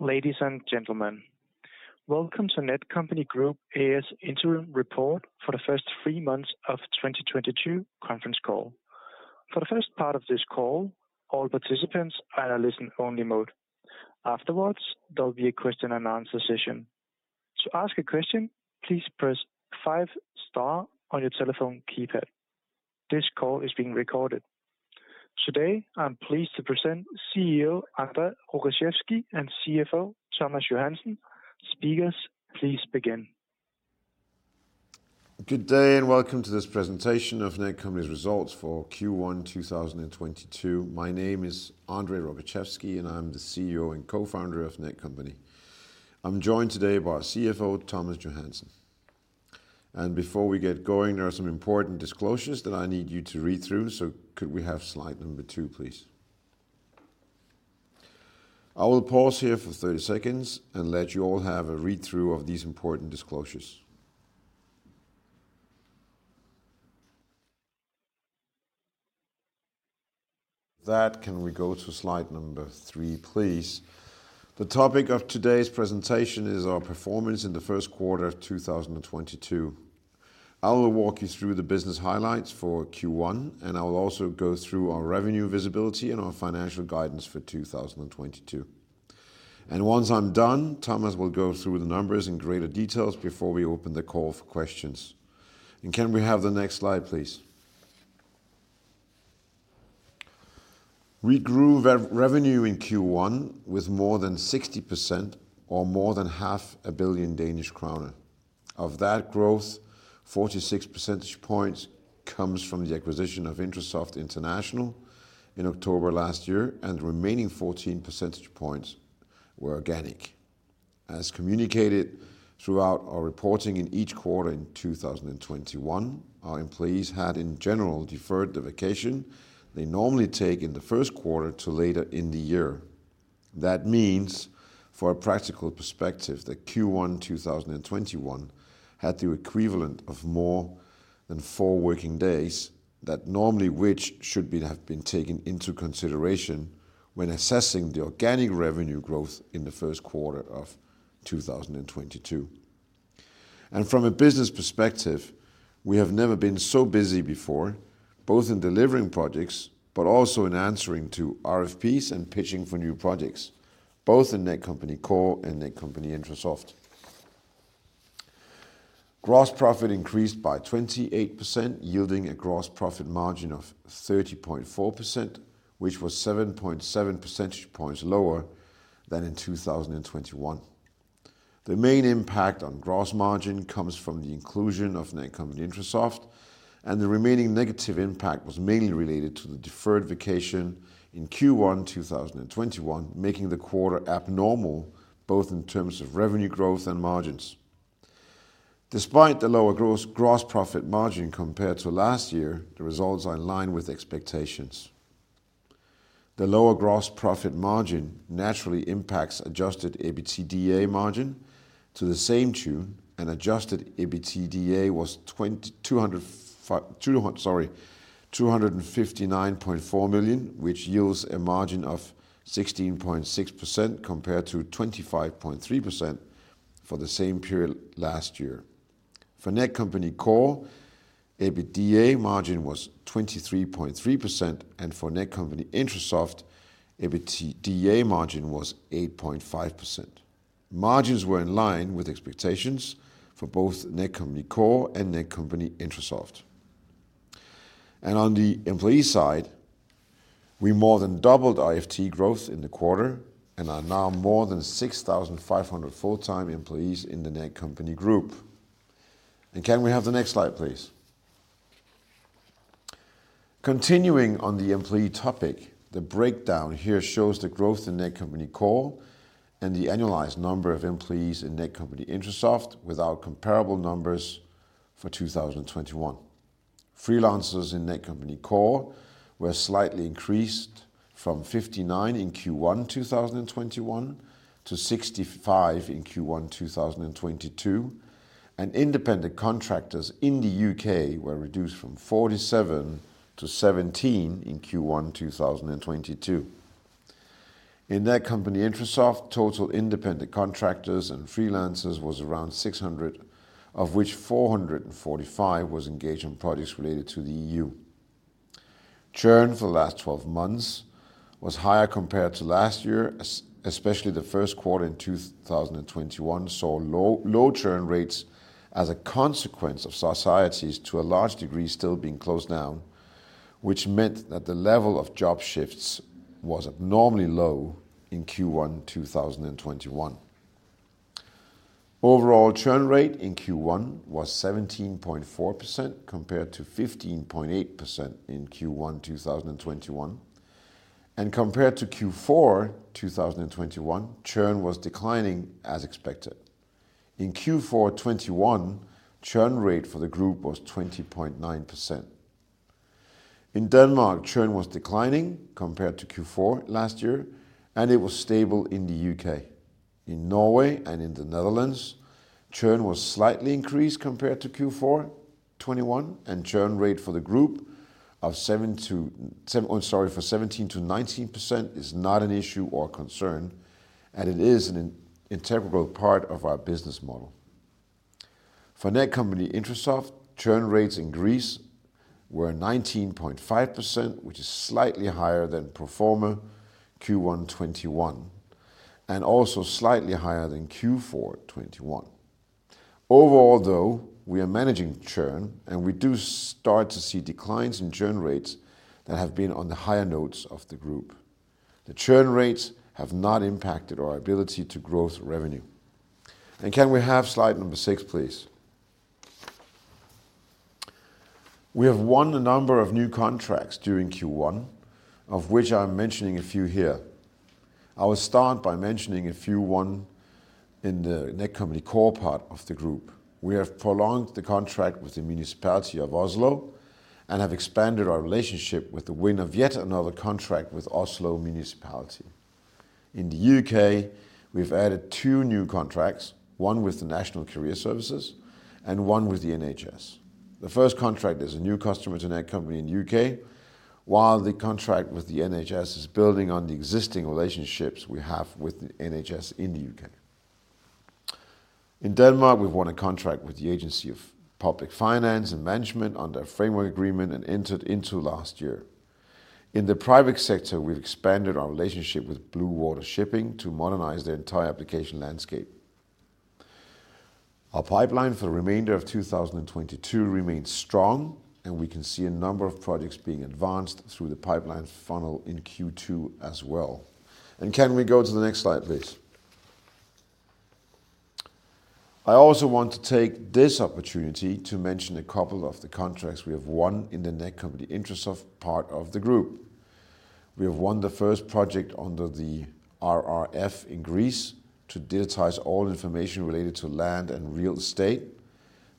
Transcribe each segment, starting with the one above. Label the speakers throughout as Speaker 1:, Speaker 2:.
Speaker 1: Ladies and gentlemen, welcome to Netcompany Group A/S Interim Report for the first three months of 2022 conference call. For the first part of this call, all participants are in a listen-only mode. Afterwards, there'll be a question-and-answer session. To ask a question, please press five star on your telephone keypad. This call is being recorded. Today, I am pleased to present CEO André Rogaczewski and CFO Thomas Johansen. Speakers, please begin.
Speaker 2: Good day, and welcome to this presentation of Netcompany's results for Q1 2022. My name is André Rogaczewski, and I'm the CEO and co-founder of Netcompany. I'm joined today by our CFO, Thomas Johansen. Before we get going, there are some important disclosures that I need you to read through, so could we have slide two, please? I will pause here for 30 seconds and let you all have a read-through of these important disclosures. That, can we go to slide three, please? The topic of today's presentation is our performance in the first quarter of 2022. I will walk you through the business highlights for Q1, and I will also go through our revenue visibility and our financial guidance for 2022. Once I'm done, Thomas will go through the numbers in greater details before we open the call for questions. Can we have the next slide, please? We grew revenue in Q1 with more than 60% or more than half a billion Danish Krone. Of that growth, 46 percentage points comes from the acquisition of Intrasoft International in October last year, and the remaining 14 percentage points were organic. As communicated throughout our reporting in each quarter in 2021, our employees had, in general, deferred the vacation they normally take in the first quarter to later in the year. That means, for a practical perspective, that Q1 2021 had the equivalent of more than four working days that normally which should have been taken into consideration when assessing the organic revenue growth in the first quarter of 2022. From a business perspective, we have never been so busy before, both in delivering projects, but also in answering to RFPs and pitching for new projects, both in Netcompany Core and Netcompany-Intrasoft. Gross profit increased by 28%, yielding a gross profit margin of 30.4%, which was 7.7 percentage points lower than in 2021. The main impact on gross margin comes from the inclusion of Netcompany-Intrasoft and the remaining negative impact was mainly related to the deferred vacation in Q1, 2021 making the quarter abnormal, both in terms of revenue growth and margins. Despite the lower gross profit margin compared to last year, the results are in line with expectations. The lower gross profit margin naturally impacts Adjusted EBITDA margin to the same tune and Adjusted EBITDA was 259.4 million, which yields a margin of 16.6% compared to 25.3% for the same period last year. For Netcompany Core, EBITDA margin was 23.3%, and for Netcompany-Intrasoft, EBITDA margin was 8.5%. Margins were in line with expectations for both Netcompany Core and Netcompany-Intrasoft. On the employee side, we more than doubled our FTE growth in the quarter and are now more than 6,500 full-time employees in the Netcompany Group. Can we have the next slide, please? Continuing on the employee topic, the breakdown here shows the growth in Netcompany Core and the annualized number of employees in Netcompany-Intrasoft with our comparable numbers for 2021. Freelancers in Netcompany Core were slightly increased from 59 in Q1 2021 to 65 in Q1 2022. Independent contractors in the U.K., were reduced from 47 to 17 in Q1 2022. In Netcompany-Intrasoft, total independent contractors and freelancers was around 600, of which 445 was engaged in projects related to the EU. Churn for the last 12 months was higher compared to last year, especially the first quarter in 2021 saw low churn rates as a consequence of societies to a large degree still being closed down, which meant that the level of job shifts was abnormally low in Q1 2021. Overall churn rate in Q1 was 17.4% compared to 15.8% in Q1 2021. Compared to Q4 2021, churn was declining as expected. In Q4 2021, churn rate for the group was 20.9%. In Denmark, churn was declining compared to Q4 last year, and it was stable in the U.K. In Norway and in the Netherlands, churn was slightly increased compared to Q4 2021, and churn rate for the group of seven to... For 17%-19% is not an issue or concern, and it is an integral part of our business model. For Netcompany-Intrasoft, churn rates in Greece were 19.5%, which is slightly higher than pro forma Q1 2021 and also slightly higher than Q4 2021. Overall though, we are managing churn, and we do start to see declines in churn rates that have been on the higher end of the group. The churn rates have not impacted our ability to grow revenue. Can we have slide number six, please? We have won a number of new contracts during Q1, of which I'm mentioning a few here. I will start by mentioning a few won in the Netcompany Core part of the group. We have prolonged the contract with the Oslo Municipality and have expanded our relationship with the win of yet another contract with Oslo Municipality. In the U.K., we've added two new contracts, one with the National Careers Service and one with the NHS. The first contract is a new customer to Netcompany in U.K., while the contract with the NHS is building on the existing relationships we have with the NHS in the U.K. In Denmark, we've won a contract with the Agency for Public Finance and Management under a framework agreement and entered into last year. In the private sector, we've expanded our relationship with Blue Water Shipping to modernize their entire application landscape. Our pipeline for the remainder of 2022 remains strong, and we can see a number of projects being advanced through the pipeline funnel in Q2 as well. Can we go to the next slide, please? I also want to take this opportunity to mention a couple of the contracts we have won in the Netcompany-Intrasoft part of the group. We have won the first project under the RRF in Greece to digitize all information related to land and real estate.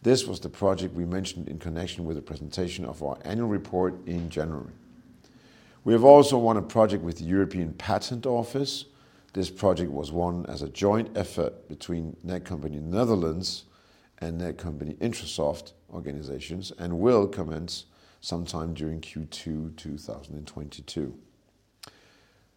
Speaker 2: This was the project we mentioned in connection with the presentation of our annual report in January. We have also won a project with the European Patent Office. This project was won as a joint effort between Netcompany Netherlands and Netcompany-Intrasoft organizations and will commence sometime during Q2 2022.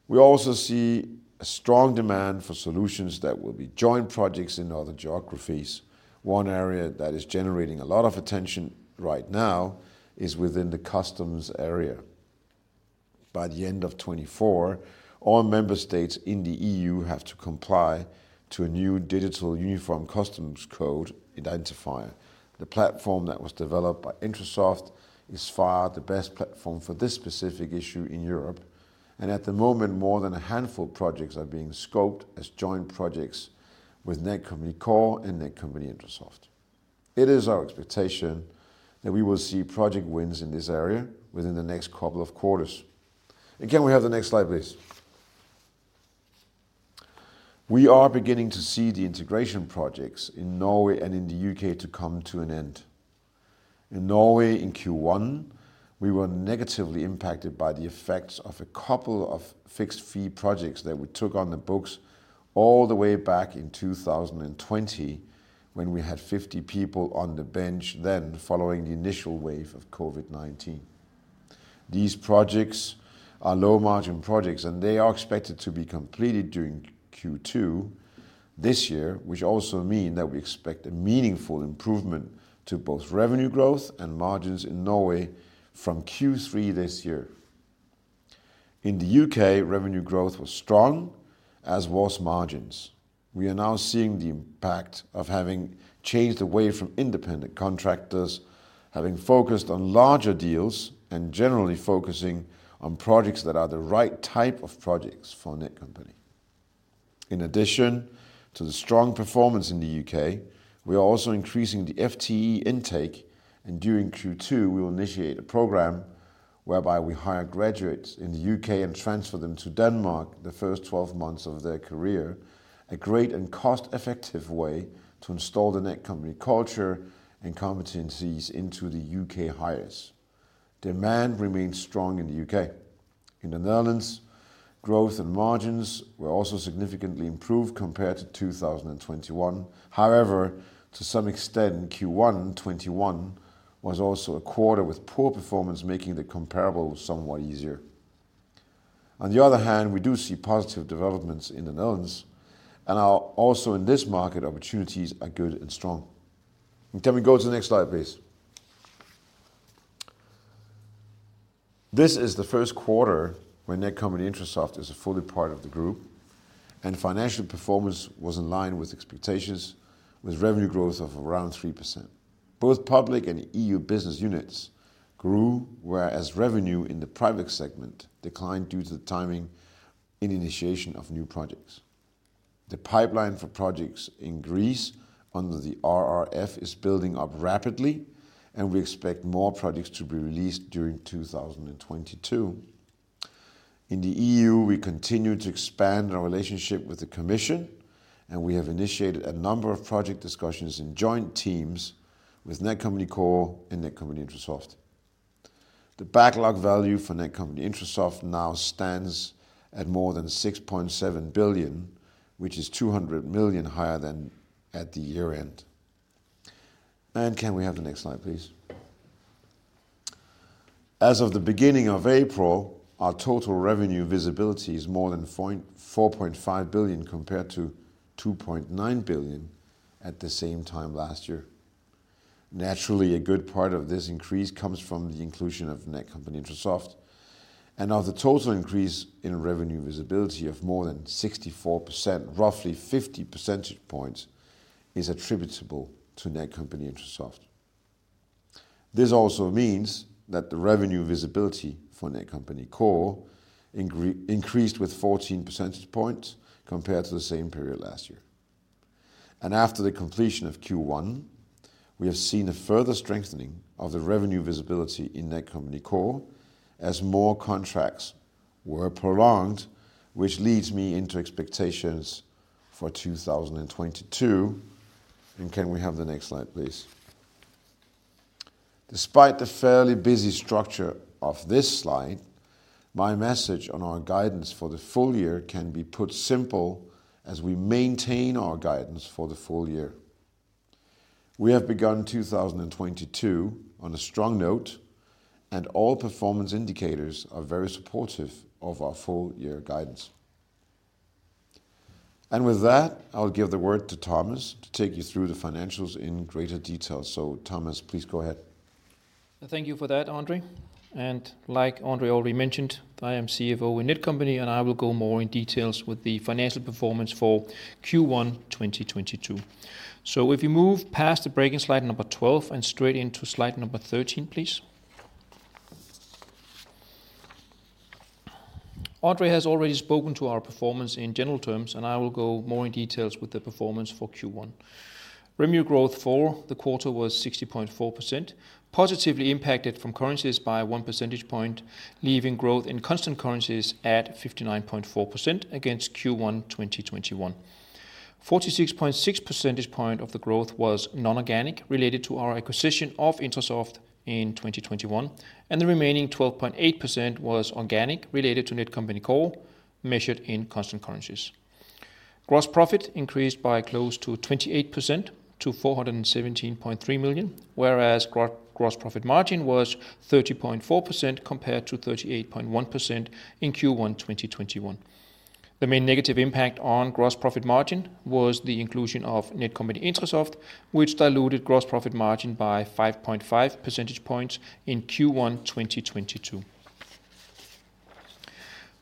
Speaker 2: We also see a strong demand for solutions that will be joint projects in other geographies. One area that is generating a lot of attention right now is within the customs area. By the end of 2024, all member states in the EU have to comply to a new digital Union Customs Code identifier. The platform that was developed by Intrasoft is by far the best platform for this specific issue in Europe, and at the moment, more than a handful of projects are being scoped as joint projects with Netcompany Core and Netcompany-Intrasoft. It is our expectation that we will see project wins in this area within the next couple of quarters. Can we have the next slide, please? We are beginning to see the integration projects in Norway and in the U.K. to come to an end. In Norway, in Q1, we were negatively impacted by the effects of a couple of fixed-fee projects that we took on the books all the way back in 2020 when we had 50 people on the bench then following the initial wave of COVID-19. These projects are low-margin projects, and they are expected to be completed during Q2 this year, which also mean that we expect a meaningful improvement to both revenue growth and margins in Norway from Q3 this year. In the U.K., revenue growth was strong, as was margins. We are now seeing the impact of having changed away from independent contractors, having focused on larger deals and generally focusing on projects that are the right type of projects for Netcompany. In addition to the strong performance in the U.K., we are also increasing the FTE intake, and during Q2, we will initiate a program whereby we hire graduates in the U.K. and transfer them to Denmark the first 12 months of their career, a great and cost-effective way to install the Netcompany culture and competencies into the U.K. hires. Demand remains strong in the U.K. In the Netherlands, growth and margins were also significantly improved compared to 2021. However, to some extent, Q1 2021 was also a quarter with poor performance, making the comparable somewhat easier. On the other hand, we do see positive developments in the Netherlands and are also in this market, opportunities are good and strong. Can we go to the next slide, please? This is the first quarter where Netcompany-Intrasoft is a fully part of the group, and financial performance was in line with expectations with revenue growth of around 3%. Both public and EU business units grew, whereas revenue in the private segment declined due to the timing and initiation of new projects. The pipeline for projects in Greece under the RRF is building up rapidly, and we expect more projects to be released during 2022. In the EU, we continue to expand our relationship with the Commission, and we have initiated a number of project discussions in joint teams with Netcompany Core and Netcompany-Intrasoft. The backlog value for Netcompany-Intrasoft now stands at more than 6.7 billion, which is 200 million higher than at the year-end. Can we have the next slide, please? As of the beginning of April, our total revenue visibility is more than 4.5 billion compared to 2.9 billion at the same time last year. Naturally, a good part of this increase comes from the inclusion of Netcompany-Intrasoft. Of the total increase in revenue visibility of more than 64%, roughly 50 percentage points is attributable to Netcompany-Intrasoft. This also means that the revenue visibility for Netcompany Core increased with 14 percentage points compared to the same period last year. After the completion of Q1, we have seen a further strengthening of the revenue visibility in Netcompany Core as more contracts were prolonged, which leads me into expectations for 2022. Can we have the next slide, please? Despite the fairly busy structure of this slide, my message on our guidance for the full year can be put simply as we maintain our guidance for the full year. We have begun 2022 on a strong note, and all performance indicators are very supportive of our full year guidance. With that, I'll give the word to Thomas to take you through the financials in greater detail. Thomas, please go ahead.
Speaker 3: Thank you for that, André. Like André already mentioned, I am CFO in Netcompany, and I will go into more details with the financial performance for Q1 2022. If you move past the bridge slide number 12 and straight into slide number 13, please. André has already spoken to our performance in general terms, and I will go into more details with the performance for Q1. Revenue growth for the quarter was 60.4%, positively impacted from currencies by 1 percentage point, leaving growth in constant currencies at 59.4% against Q1 2021. 46.6 percentage point of the growth was non-organic, related to our acquisition of Intrasoft in 2021, and the remaining 12.8% was organic, related to Netcompany Core, measured in constant currencies. Gross profit increased by close to 28% to 417.3 million, whereas gross profit margin was 30.4% compared to 38.1% in Q1 2021. The main negative impact on gross profit margin was the inclusion of Netcompany-Intrasoft, which diluted gross profit margin by 5.5 percentage points in Q1 2022.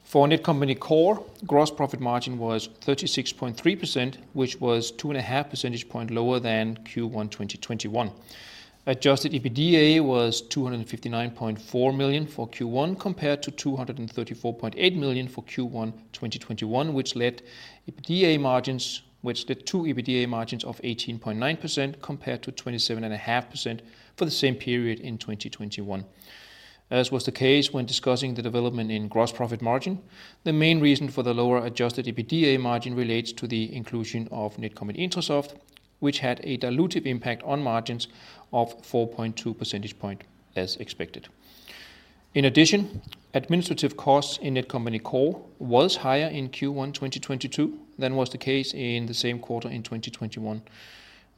Speaker 3: For Netcompany Core, gross profit margin was 36.3%, which was 2.5 percentage points lower than Q1 2021. Adjusted EBITDA was 259.4 million for Q1, compared to 234.8 million for Q1 2021, which led to EBITDA margins of 18.9% compared to 27.5% for the same period in 2021. As was the case when discussing the development in gross profit margin, the main reason for the lower adjusted EBITDA margin relates to the inclusion of Netcompany-Intrasoft, which had a dilutive impact on margins of 4.2 percentage point as expected. In addition, administrative costs in Netcompany Core was higher in Q1 2022 than was the case in the same quarter in 2021.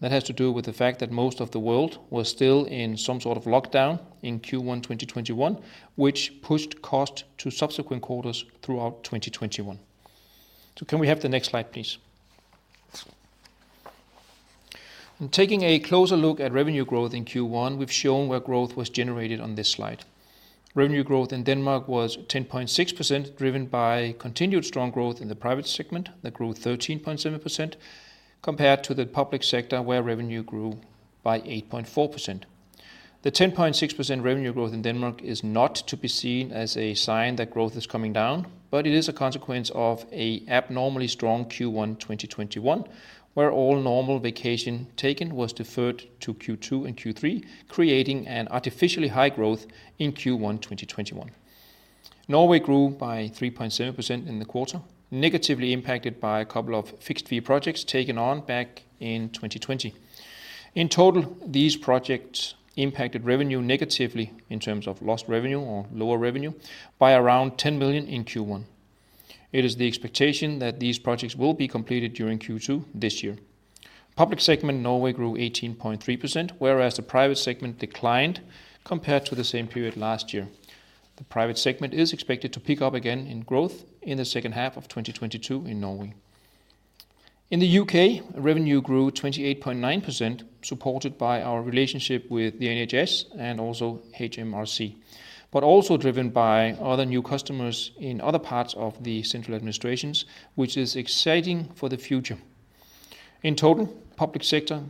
Speaker 3: That has to do with the fact that most of the world was still in some sort of lockdown in Q1 2021, which pushed costs to subsequent quarters throughout 2021. Can we have the next slide, please? In taking a closer look at revenue growth in Q1, we've shown where growth was generated on this slide. Revenue growth in Denmark was 10.6%, driven by continued strong growth in the private segment that grew 13.7% compared to the public sector, where revenue grew by 8.4%. The 10.6% revenue growth in Denmark is not to be seen as a sign that growth is coming down, but it is a consequence of an abnormally strong Q1 2021, where all normal vacation taken was deferred to Q2 and Q3, creating an artificially high growth in Q1 2021. Norway grew by 3.7% in the quarter, negatively impacted by a couple of fixed-fee projects taken on back in 2020. In total, these projects impacted revenue negatively in terms of lost revenue or lower revenue by around 10 million in Q1. It is the expectation that these projects will be completed during Q2 this year. Public segment in Norway grew 18.3%, whereas the private segment declined compared to the same period last year. The private segment is expected to pick up again in growth in the second half of 2022 in Norway. In the U.K., revenue grew 28.9%, supported by our relationship with the NHS and also HMRC, but also driven by other new customers in other parts of the central administrations, which is exciting for the future. In total, public sector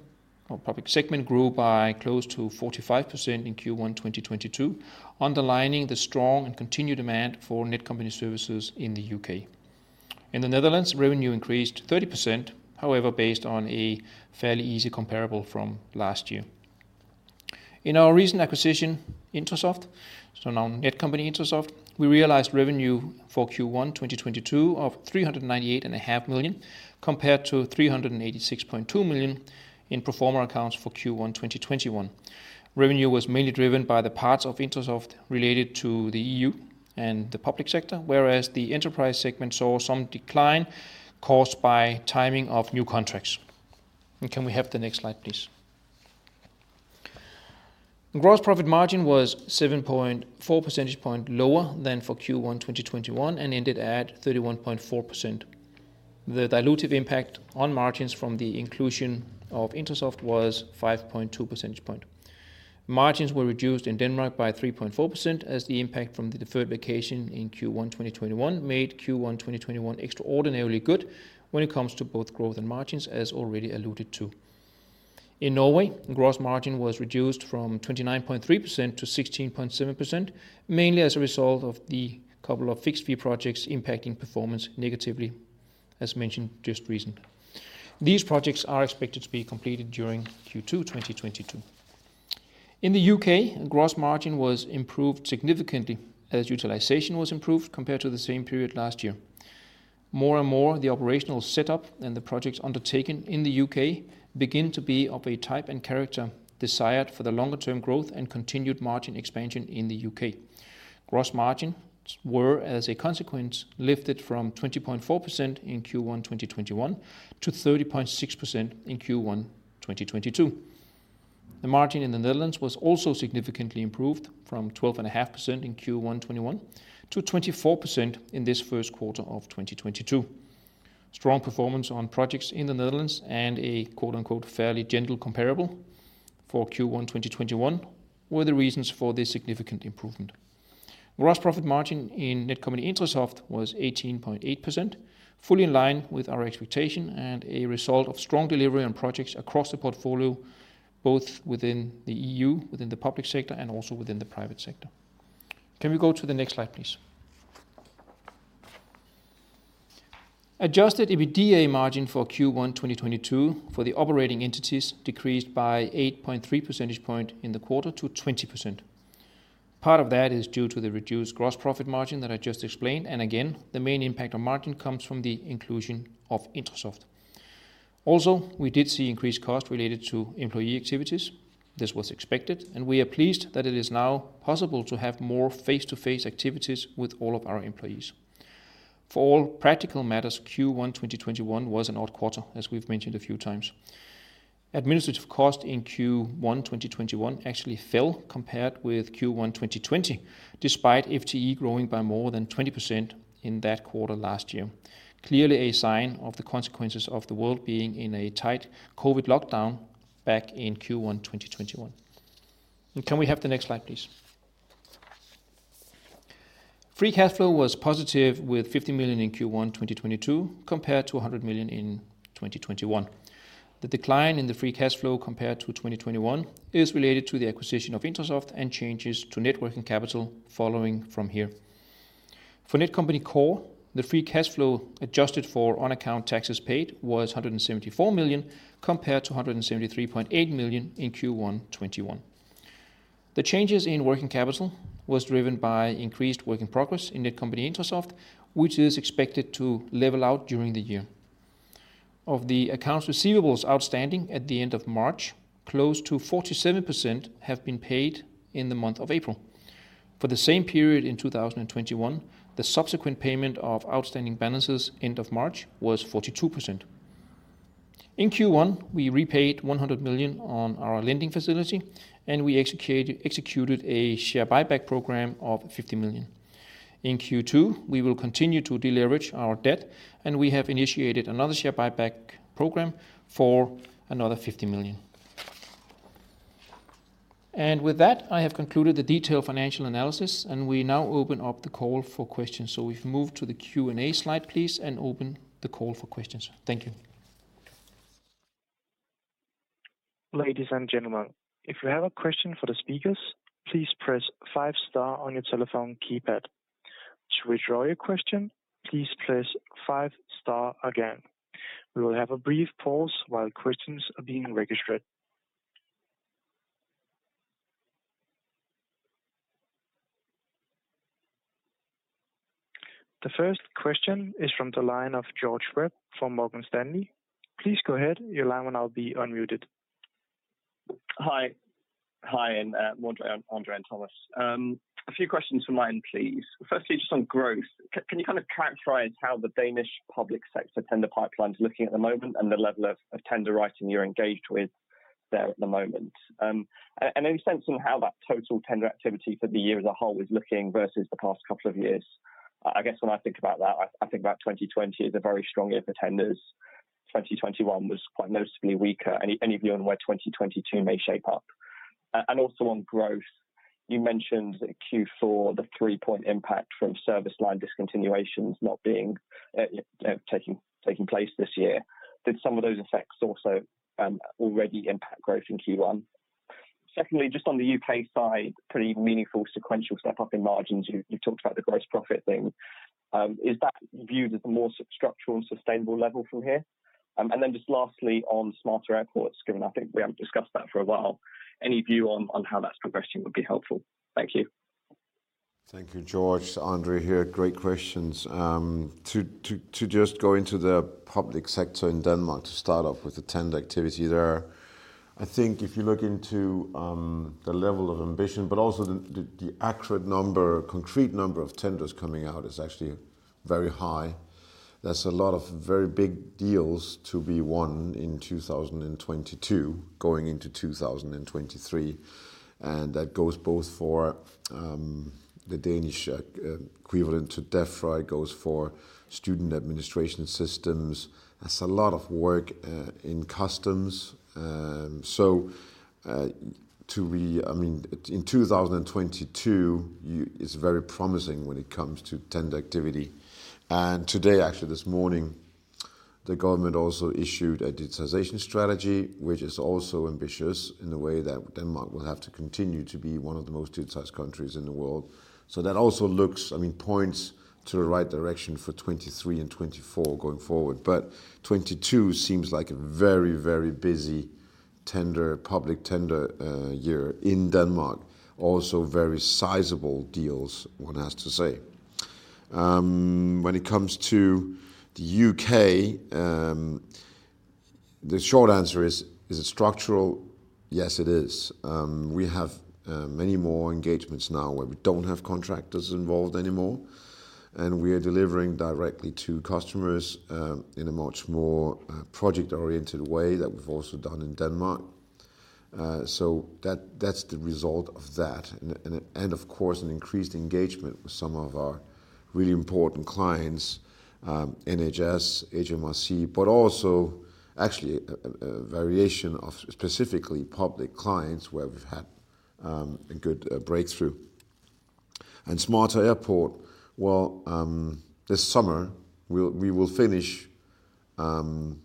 Speaker 3: or public segment grew by close to 45% in Q1 2022, underlining the strong and continued demand for Netcompany services in the U.K. In the Netherlands, revenue increased 30%, however, based on a fairly easy comparable from last year. In our recent acquisition, Intrasoft, so now Netcompany-Intrasoft, we realized revenue for Q1 2022 of 398.5 million, compared to 386.2 million in pro forma accounts for Q1 2021. Revenue was mainly driven by the parts of Intrasoft related to the EU. The public sector, whereas the enterprise segment saw some decline caused by timing of new contracts. Can we have the next slide, please? Gross profit margin was 7.4 percentage points lower than for Q1 2021 and ended at 31.4%. The dilutive impact on margins from the inclusion of Intrasoft was 5.2 percentage points. Margins were reduced in Denmark by 3.4% as the impact from the deferred vacation in Q1 2021 made Q1 2021 extraordinarily good when it comes to both growth and margins, as already alluded to. In Norway, gross margin was reduced from 29.3% to 16.7%, mainly as a result of the couple of fixed-fee projects impacting performance negatively, as mentioned just recently. These projects are expected to be completed during Q2 2022. In the U.K., gross margin was improved significantly as utilization was improved compared to the same period last year. More and more, the operational setup and the projects undertaken in the U.K. begin to be of a type and character desired for the longer term growth and continued margin expansion in the U.K. Gross margins were, as a consequence, lifted from 20.4% in Q1 2021 to 30.6% in Q1 2022. The margin in the Netherlands was also significantly improved from 12.5% in Q1 2021 to 24% in this first quarter of 2022. Strong performance on projects in the Netherlands and a quote-unquote, fairly gentle comparable for Q1 2021 were the reasons for this significant improvement. Gross profit margin in Netcompany-Intrasoft was 18.8%, fully in line with our expectation and a result of strong delivery on projects across the portfolio, both within the EU, within the public sector and also within the private sector. Can we go to the next slide, please? Adjusted EBITDA margin for Q1 2022 for the operating entities decreased by 8.3 percentage points in the quarter to 20%. Part of that is due to the reduced gross profit margin that I just explained. Again, the main impact on margin comes from the inclusion of Intrasoft. Also, we did see increased cost related to employee activities. This was expected, and we are pleased that it is now possible to have more face-to-face activities with all of our employees. For all practical matters, Q1 2021 was an odd quarter, as we've mentioned a few times. Administrative cost in Q1 2021 actually fell compared with Q1 2020, despite FTE growing by more than 20% in that quarter last year. Clearly a sign of the consequences of the world being in a tight COVID lockdown back in Q1 2021. Can we have the next slide, please? Free cash flow was positive with 50 million in Q1 2022 compared to 100 million in 2021. The decline in the free cash flow compared to 2021 is related to the acquisition of Intrasoft and changes to net working capital following from here. For Netcompany Core, the free cash flow adjusted for on account taxes paid was 174 million compared to 173.8 million in Q1 2021. The changes in working capital was driven by increased work in progress in Netcompany Intrasoft, which is expected to level out during the year. Of the accounts receivables outstanding at the end of March, close to 47% have been paid in the month of April. For the same period in 2021, the subsequent payment of outstanding balances end of March was 42%. In Q1, we repaid 100 million on our lending facility, and we executed a share buyback program of 50 million. In Q2, we will continue to deleverage our debt, and we have initiated another share buyback program for another 50 million. With that, I have concluded the detailed financial analysis, and we now open up the call for questions. If we move to the Q and A slide, please, and open the call for questions. Thank you.
Speaker 1: Ladies and gentlemen, if you have a question for the speakers, please press star on your telephone keypad. To withdraw your question, please press star again. We will have a brief pause while questions are being registered. The first question is from the line of George Webb from Morgan Stanley. Please go ahead. Your line will now be unmuted.
Speaker 4: Hi. Hi, André and Thomas. A few questions from me, please. First, just on growth, can you kind of characterize how the Danish public sector tender pipeline is looking at the moment and the level of tender writing you're engaged with there at the moment? Any sense on how that total tender activity for the year as a whole is looking versus the past couple of years? I guess when I think about that, I think about 2020 as a very strong year for tenders. 2021 was quite noticeably weaker. Any view on where 2022 may shape up? Also on growth, you mentioned Q4, the 3-point impact from service line discontinuations not being taking place this year. Did some of those effects also already impact growth in Q1? Secondly, just on the U.K. side, pretty meaningful sequential step-up in margins. You talked about the gross profit thing. Is that viewed as a more structural and sustainable level from here? Just lastly, on Smarter Airports, given I think we haven't discussed that for a while, any view on how that's progressing would be helpful. Thank you.
Speaker 2: Thank you, George. André here. Great questions. To just go into the public sector in Denmark to start off with the tender activity there. I think if you look into the level of ambition, but also the accurate number, concrete number of tenders coming out is actually very high. There's a lot of very big deals to be won in 2022 going into 2023, and that goes both for the Danish equivalent to Defra, goes for student administration systems. There's a lot of work in customs, so I mean, in 2022, it's very promising when it comes to tender activity. Today, actually this morning, the government also issued a digitalization strategy, which is also ambitious in the way that Denmark will have to continue to be one of the most digitized countries in the world. That also looks, I mean, points to the right direction for 2023 and 2024 going forward. 2022 seems like a very, very busy tender, public tender year in Denmark. Also very sizable deals, one has to say. When it comes to the U.K., the short answer is it structural? Yes, it is. We have many more engagements now where we don't have contractors involved anymore, and we are delivering directly to customers in a much more project-oriented way that we've also done in Denmark. That's the result of that. Of course, an increased engagement with some of our really important clients, NHS, HMRC, but also actually a variation of specifically public clients where we've had a good breakthrough. Smarter Airports, this summer we will finish the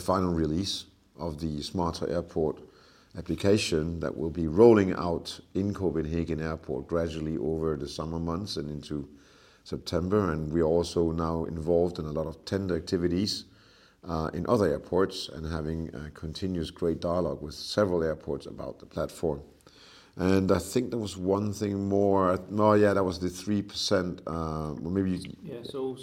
Speaker 2: final release of the Smarter Airports application that will be rolling out in Copenhagen Airport gradually over the summer months and into September. We're also now involved in a lot of tender activities in other airports and having a continuous great dialogue with several airports about the platform. Yeah, that was the 3%, maybe.
Speaker 3: Yeah,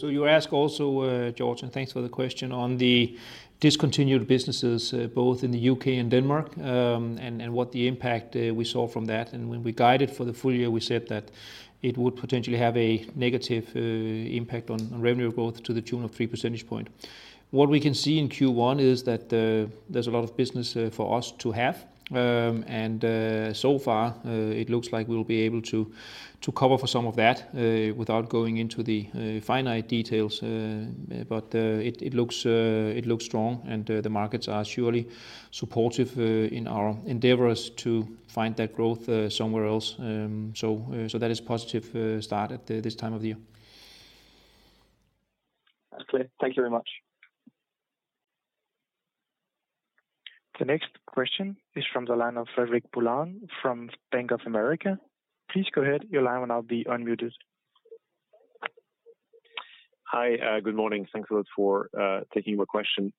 Speaker 3: you ask also, George, and thanks for the question, on the discontinued businesses, both in the U.K. and Denmark, and what the impact we saw from that. When we guided for the full year, we said that it would potentially have a negative impact on revenue growth to the tune of 3 percentage points. What we can see in Q1 is that there's a lot of business for us to have. So far, it looks like we'll be able to cover for some of that without going into the finite details. It looks strong, and the markets are surely supportive in our endeavors to find that growth somewhere else. That is positive start at this time of the year.
Speaker 4: That's clear. Thank you very much.
Speaker 1: The next question is from the line of Frederic Boulan from Bank of America. Please go ahead. Your line will now be unmuted.
Speaker 5: Hi. Good morning. Thanks a lot for taking my question.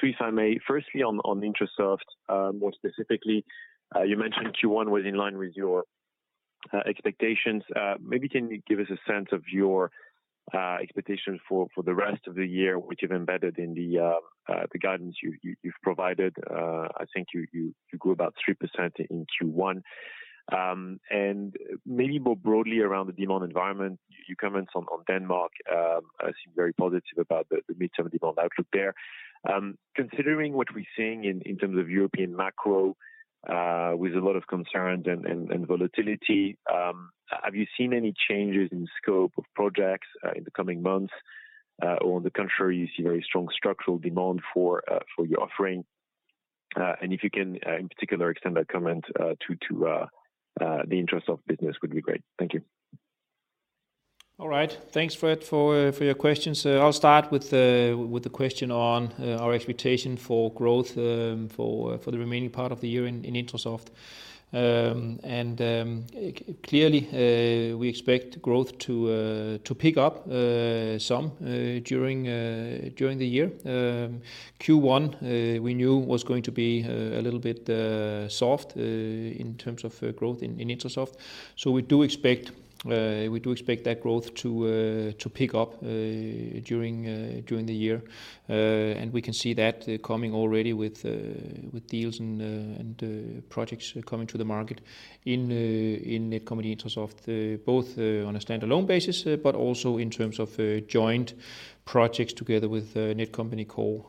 Speaker 5: Three if I may. Firstly, on Intrasoft, more specifically, you mentioned Q1 was in line with your expectations. Maybe can you give us a sense of your expectations for the rest of the year, which you've embedded in the guidance you've provided? I think you grew about 3% in Q1. Maybe more broadly around the demand environment, your comments on Denmark seem very positive about the midterm demand outlook there. Considering what we're seeing in terms of European macro, with a lot of concern and volatility, have you seen any changes in the scope of projects in the coming months? On the contrary, you see very strong structural demand for your offering? If you can, in particular, extend that comment to the Intrasoft business would be great. Thank you.
Speaker 3: All right. Thanks Fred for your questions. I'll start with the question on our expectation for growth for the remaining part of the year in Intrasoft. Clearly, we expect growth to pick up some during the year. Q1, we knew was going to be a little bit soft in terms of growth in Intrasoft. We do expect that growth to pick up during the year. We can see that coming already with deals and projects coming to the market in Netcompany-Intrasoft, both on a standalone basis, but also in terms of joint projects together with Netcompany Core.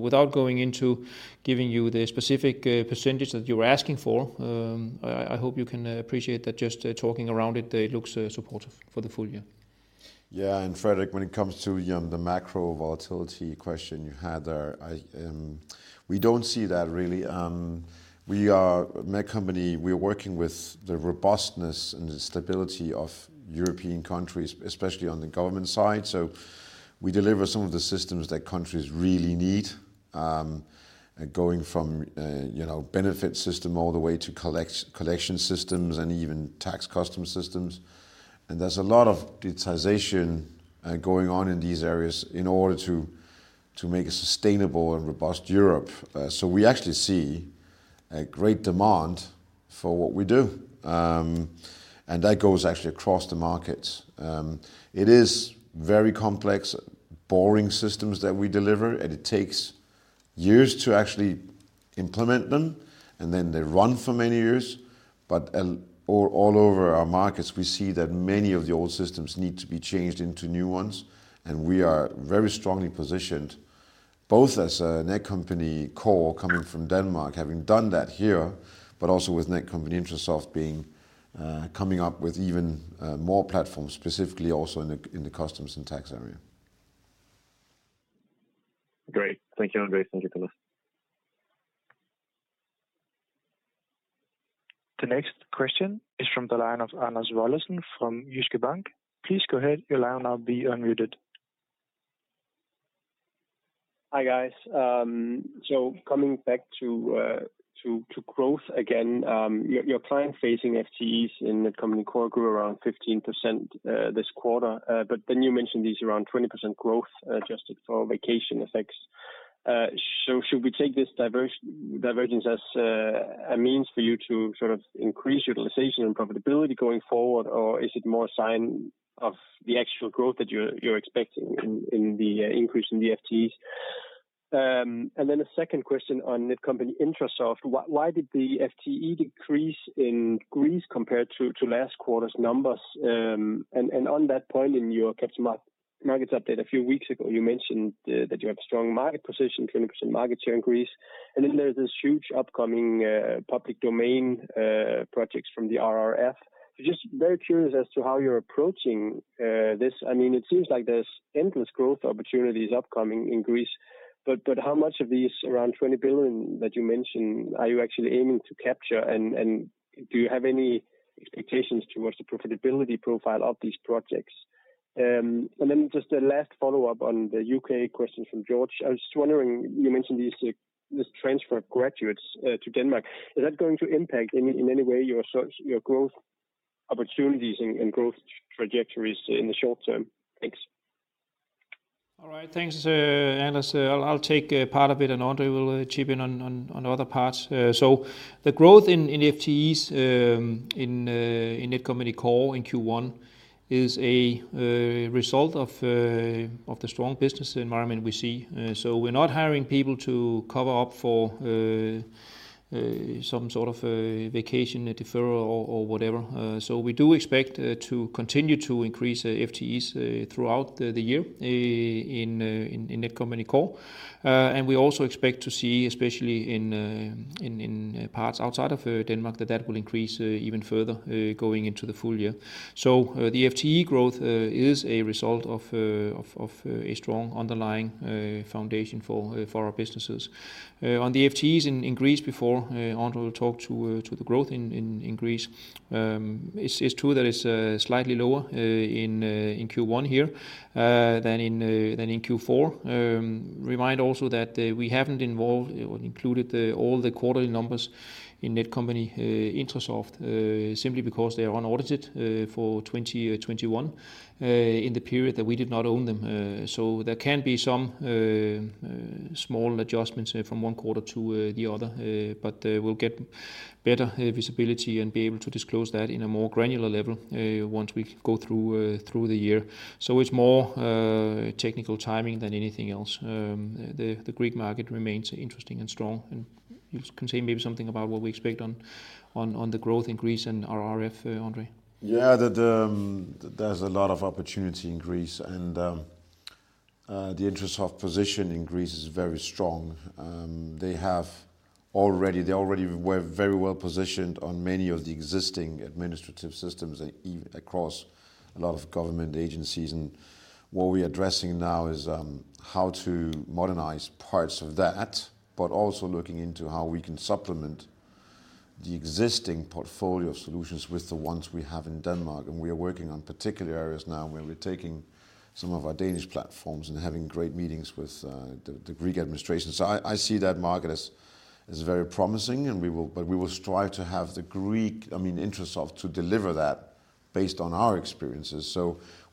Speaker 3: Without going into giving you the specific percentage that you're asking for, I hope you can appreciate that just talking around it looks supportive for the full year.
Speaker 2: Yeah. Frederic, when it comes to the macro volatility question you had there, we don't see that really. We are Netcompany, we're working with the robustness and the stability of European countries, especially on the government side. We deliver some of the systems that countries really need, going from, you know, benefit system all the way to collection systems and even tax and customs systems. There's a lot of digitization going on in these areas in order to make a sustainable and robust Europe. We actually see a great demand for what we do. That goes actually across the markets. It is very complex, boring systems that we deliver, and it takes years to actually implement them, and then they run for many years. All over our markets, we see that many of the old systems need to be changed into new ones. We are very strongly positioned both as a Netcompany Core coming from Denmark, having done that here, but also with Netcompany-Intrasoft being coming up with even more platforms, specifically also in the customs and tax area.
Speaker 5: Great. Thank you, André. Thank you, Thomas.
Speaker 1: The next question is from the line of Anders Roslund from Jyske Bank. Please go ahead. Your line is now unmuted.
Speaker 6: Hi, guys. Coming back to growth again. Your client-facing FTEs in Netcompany Core grew around 15% this quarter. You mentioned this around 20% growth adjusted for vacation effects. Should we take this divergence as a means for you to sort of increase utilization and profitability going forward? Or is it more a sign of the actual growth that you're expecting in the increase in the FTEs? A second question on Netcompany-Intrasoft. Why did the FTE decrease in Greece compared to last quarter's numbers? On that point, in your capital markets update a few weeks ago, you mentioned that you have strong market position, 20% market share in Greece, and then there's this huge upcoming public domain projects from the RRF. Just very curious as to how you're approaching this. I mean, it seems like there's endless growth opportunities upcoming in Greece, but how much of these, around 20 billion that you mentioned, are you actually aiming to capture? Do you have any expectations towards the profitability profile of these projects? Just a last follow-up on the U.K. question from George. I was just wondering, you mentioned this transfer of graduates to Denmark. Is that going to impact in any way your growth opportunities and growth trajectories in the short term? Thanks.
Speaker 3: All right. Thanks, Anders. I'll take part of it and André will chip in on other parts. The growth in FTEs in Netcompany Core in Q1 is a result of the strong business environment we see. We're not hiring people to cover up for some sort of a vacation deferral or whatever. We do expect to continue to increase FTEs throughout the year in Netcompany Core. We also expect to see, especially in parts outside of Denmark, that will increase even further going into the full year. The FTE growth is a result of a strong underlying foundation for our businesses. On the FTEs in Greece before André will talk to the growth in Greece. It's true that it's slightly lower in Q1 here than in Q4. Remind also that we haven't involved or included all the quarterly numbers in Netcompany-Intrasoft simply because they are unaudited for 2021 in the period that we did not own them. There can be some small adjustments from one quarter to the other. We'll get better visibility and be able to disclose that in a more granular level once we go through the year. It's more technical timing than anything else. The Greek market remains interesting and strong. You can say maybe something about what we expect on the growth in Greece and RRF, André.
Speaker 2: Yeah. There's a lot of opportunity in Greece and the Intrasoft position in Greece is very strong. They already were very well-positioned on many of the existing administrative systems across a lot of government agencies. What we're addressing now is how to modernize parts of that, but also looking into how we can supplement the existing portfolio solutions with the ones we have in Denmark. We are working on particular areas now where we're taking some of our Danish platforms and having great meetings with the Greek administration. I see that market as very promising, and we will strive to have the Greek, I mean, Intrasoft to deliver that based on our experiences.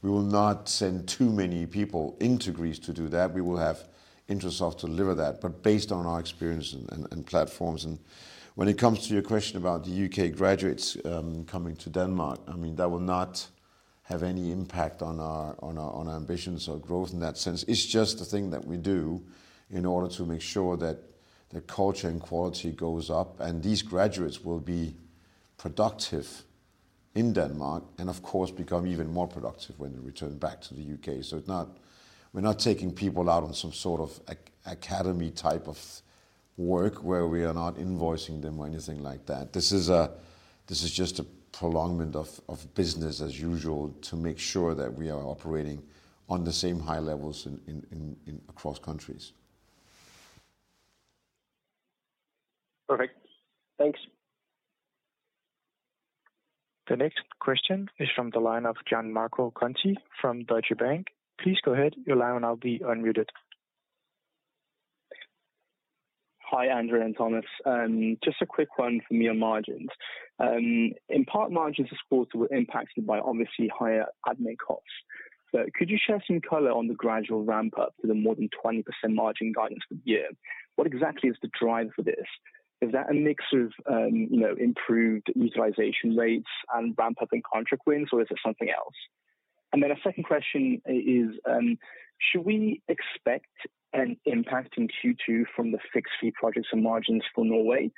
Speaker 2: We will not send too many people into Greece to do that. We will have Intrasoft deliver that, but based on our experience and platforms. When it comes to your question about the UK graduates coming to Denmark, I mean, that will not have any impact on our ambitions or growth in that sense. It's just a thing that we do in order to make sure that the culture and quality goes up, and these graduates will be productive in Denmark and of course become even more productive when they return back to the U.K. It's not, we're not taking people out on some sort of academy type of work where we are not invoicing them or anything like that. This is just a prolongment of business as usual to make sure that we are operating on the same high levels in across countries.
Speaker 6: Perfect. Thanks.
Speaker 1: The next question is from the line of Gianmarco Conti from Deutsche Bank. Please go ahead. Your line is now unmuted.
Speaker 7: Hi, André and Thomas. Just a quick one from your margins. In part, margins are supported with impacts by obviously higher admin costs. Could you share some color on the gradual ramp-up to the more than 20% margin guidance for the year? What exactly is the drive for this? Is that a mix of, you know, improved utilization rates and ramp-up in contract wins, or is it something else? A second question is, should we expect an impact in Q2 from the fixed-fee projects and margins for Norway?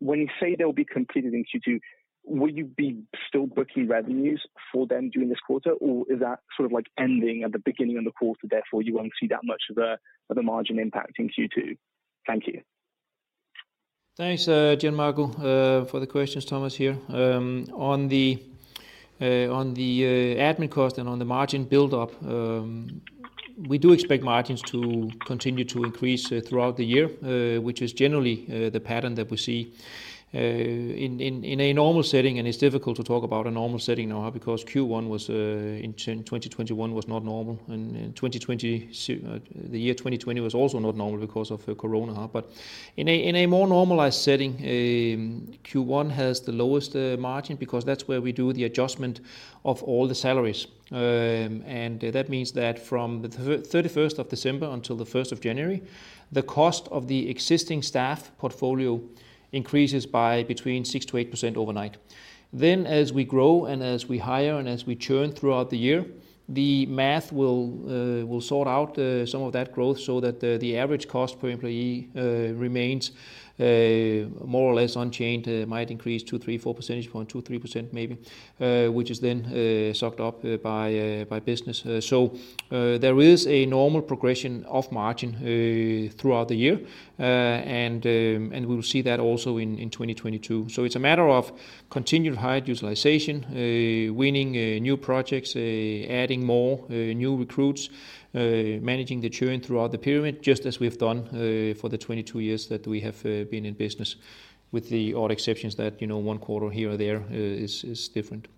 Speaker 7: When you say they'll be completed in Q2, will you be still booking revenues for them during this quarter? Is that sort of like ending at the beginning of the quarter, therefore you won't see that much of the margin impact in Q2? Thank you.
Speaker 3: Thanks, Gianmarco. For the questions, Thomas here. On the admin cost and on the margin build-up, we do expect margins to continue to increase throughout the year, which is generally the pattern that we see in a normal setting. It's difficult to talk about a normal setting now because Q1 in 2021 was not normal. The year 2020 was also not normal because of Corona. In a more normalized setting, Q1 has the lowest margin because that's where we do the adjustment of all the salaries. That means that from the 31st of December until the first of January, the cost of the existing staff portfolio increases by between 6%-8% overnight. As we grow and as we hire and as we churn throughout the year, the math will sort out some of that growth so that the average cost per employee remains more or less unchanged. It might increase 2, 3, 4 percentage points, 2, 3% maybe, which is then sucked up by business. There is a normal progression of margin throughout the year. We'll see that also in 2022. It's a matter of continued high utilization, winning new projects, adding more new recruits, managing the churn throughout the period, just as we've done for the 22 years that we have been in business, with the odd exceptions that, you know, one quarter here or there is different.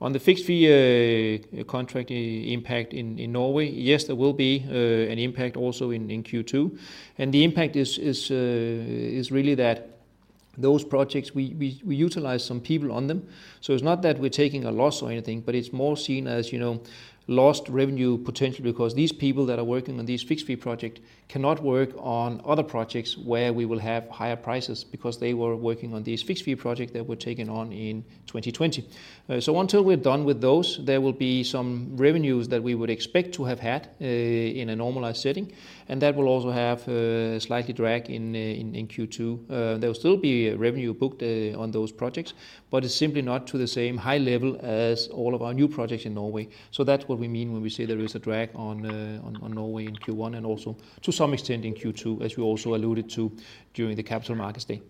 Speaker 3: On the fixed-fee contract impact in Norway, yes, there will be an impact also in Q2. The impact is really that those projects we utilize some people on them. It's not that we're taking a loss or anything, but it's more seen as, you know, lost revenue potentially because these people that are working on these fixed-fee project cannot work on other projects where we will have higher prices, because they were working on these fixed-fee project that were taken on in 2020. Until we're done with those, there will be some revenues that we would expect to have had in a normalized setting, and that will also have slightly drag on in Q2. There will still be revenue booked on those projects, but it's simply not to the same high level as all of our new projects in Norway. That's what we mean when we say there is a drag on Norway in Q1 and also to some extent in Q2, as we also alluded to during the capital markets day.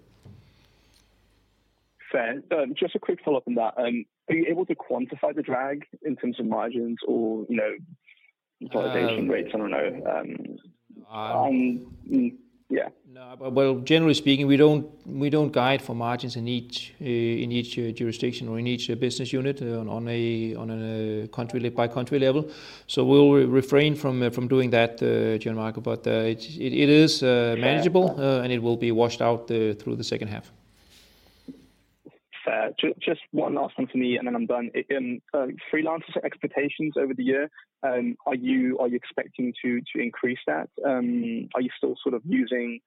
Speaker 7: Fair. Just a quick follow-up on that. Are you able to quantify the drag in terms of margins or, you know, utilization rates? I don't know. Yeah.
Speaker 3: No. Well, generally speaking, we don't guide for margins in each jurisdiction or in each business unit on a country by country level. We'll refrain from doing that, Gianmarco. It is manageable.
Speaker 7: Yeah.
Speaker 3: It will be washed out through the second half.
Speaker 7: Fair. Just one last one for me, and then I'm done. Freelancers expectations over the year, are you expecting to increase that? Are you still sort of using,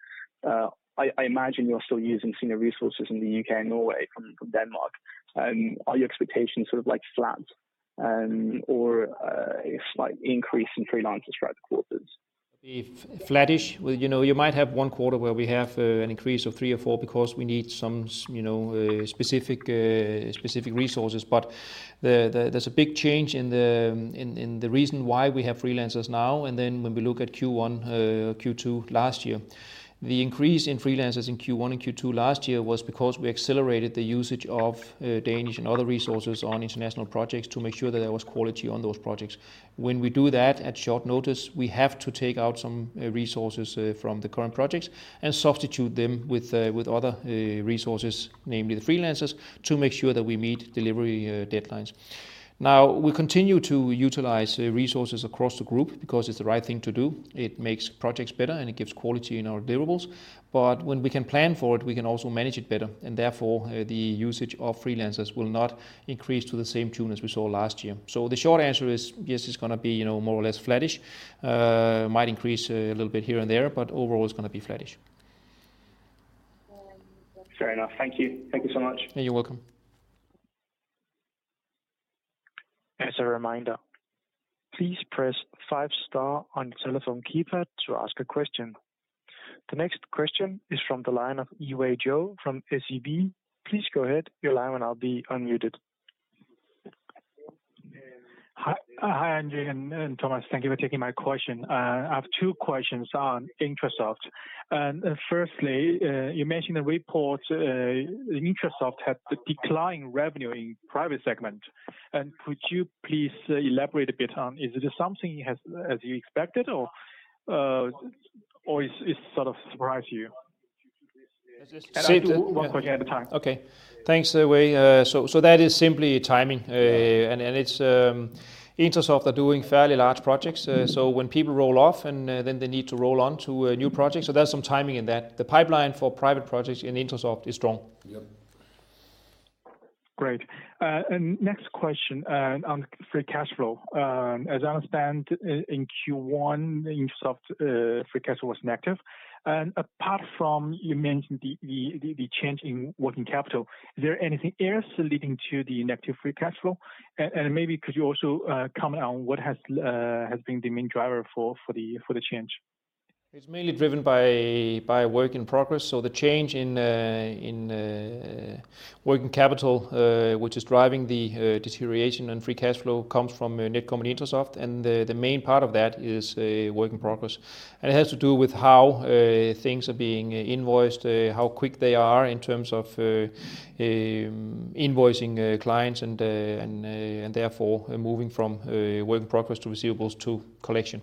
Speaker 7: I imagine you're still using senior resources in the U.K. And Norway from Denmark. Are your expectations sort of like flat, or a slight increase in freelancers throughout the quarters?
Speaker 3: If flattish. Well, you know, you might have one quarter where we have an increase of three or four because we need some, you know, specific resources. There's a big change in the reason why we have freelancers now, and then when we look at Q1, Q2 last year. The increase in freelancers in Q1 and Q2 last year was because we accelerated the usage of Danish and other resources on international projects to make sure that there was quality on those projects. When we do that at short notice, we have to take out some resources from the current projects and substitute them with other resources, namely the freelancers, to make sure that we meet delivery deadlines. Now, we continue to utilize resources across the group because it's the right thing to do. It makes projects better, and it gives quality in our deliverables. When we can plan for it, we can also manage it better. Therefore, the usage of freelancers will not increase to the same tune as we saw last year. The short answer is, yes, it's gonna be, you know, more or less flattish. Might increase a little bit here and there, but overall, it's gonna be flattish.
Speaker 7: Fair enough. Thank you. Thank you so much.
Speaker 3: You're welcome.
Speaker 1: As a reminder, please press five star on your telephone keypad to ask a question. The next question is from the line of Yiwei Jiang from SEB. Please go ahead. Your line will now be unmuted.
Speaker 8: Hi. Hi, André and Thomas. Thank you for taking my question. I have two questions on Intrasoft. Firstly, you mentioned the report, Intrasoft had declining revenue in private segment. Could you please elaborate a bit on is it something you had as you expected or is sort of a surprise to you?
Speaker 3: Is this-
Speaker 8: I'll do one question at a time.
Speaker 3: Okay. Thanks, Yiwei. That is simply timing.
Speaker 8: Yeah.
Speaker 3: It's Intrasoft are doing fairly large projects.
Speaker 8: Mm-hmm.
Speaker 3: When people roll off and then they need to roll on to a new project. There's some timing in that. The pipeline for private projects in Intrasoft is strong.
Speaker 8: Yep. Great. Next question on free cash flow. As I understand in Q1, Intrasoft free cash flow was negative. Apart from you mentioned the change in working capital, is there anything else leading to the negative free cash flow? Maybe could you also comment on what has been the main driver for the change?
Speaker 3: It's mainly driven by work in progress. The change in working capital, which is driving the deterioration in free cash flow comes from Netcompany-Intrasoft. The main part of that is a work in progress. It has to do with how things are being invoiced, how quick they are in terms of invoicing clients and therefore moving from work in progress to receivables to collection.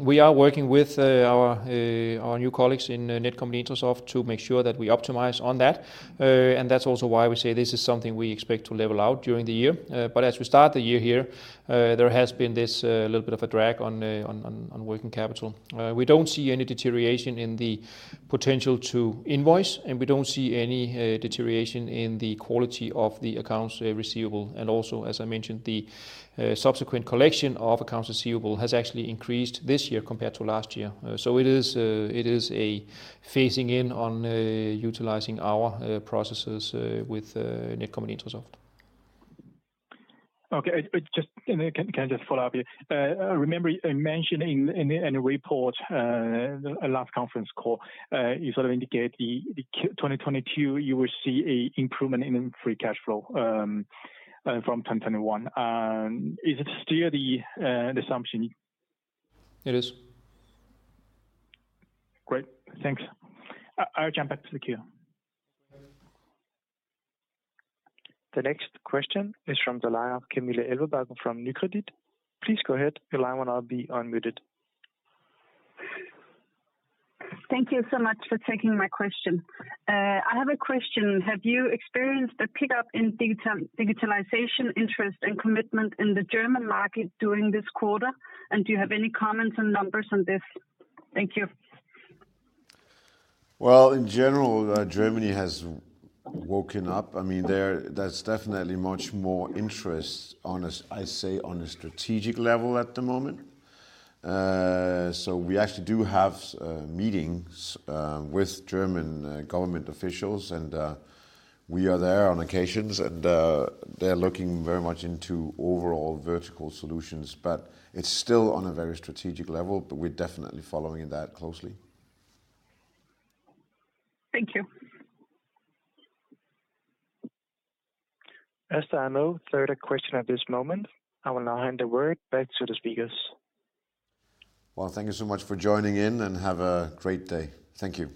Speaker 3: We are working with our new colleagues in Netcompany-Intrasoft to make sure that we optimize on that. That's also why we say this is something we expect to level out during the year. As we start the year here, there has been this little bit of a drag on working capital. We don't see any deterioration in the potential to invoice, and we don't see any deterioration in the quality of the accounts receivable. Also, as I mentioned, the subsequent collection of accounts receivable has actually increased this year compared to last year. It is a phasing in on utilizing our processes with Netcompany-Intrasoft.
Speaker 8: Okay. Can I just follow up here? Remember you mentioned in the annual report, last conference call, you sort of indicate the 2022 you will see an improvement in free cash flow from 2021. Is it still the assumption?
Speaker 3: It is.
Speaker 8: Great. Thanks. I'll jump back to the queue.
Speaker 1: The next question is from the line of Kamil El-Bie from NIBC. Please go ahead. Your line will now be unmuted.
Speaker 9: Thank you so much for taking my question. I have a question. Have you experienced a pickup in digitalization interest and commitment in the German market during this quarter? And do you have any comments and numbers on this? Thank you.
Speaker 2: Well, in general, Germany has woken up. I mean, there's definitely much more interest on a strategic level at the moment. We actually do have meetings with German government officials and we are there on occasions and they're looking very much into overall vertical solutions. It's still on a very strategic level, but we're definitely following that closely.
Speaker 9: Thank you.
Speaker 1: As I know, third question at this moment. I will now hand the word back to the speakers.
Speaker 2: Well, thank you so much for joining in, and have a great day. Thank you.